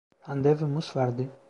Randevumuz vardı.